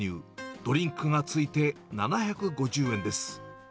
ドリンクがついて７５０円です。